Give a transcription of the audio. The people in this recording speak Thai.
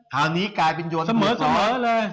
พอนี้กลายเป็นยนต์เหลือกร้อง